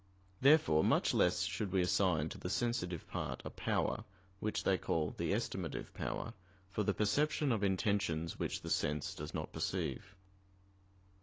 Therefore much less should we assign to the sensitive part a power, which they call the "estimative" power, for the perception of intentions which the sense does not perceive.